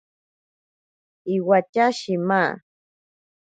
Iwatya shima.